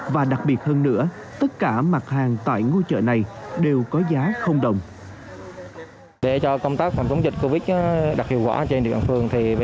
và đặc biệt hơn nữa tất cả mặt hàng tại ngôi chợ này đều có giá không đồng